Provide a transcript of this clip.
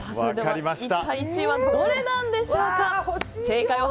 一体１位はどれなんでしょうか？